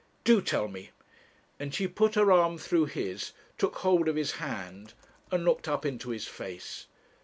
Do tell me,' and she put her arm through his, took hold of his hand, and looked up into his face.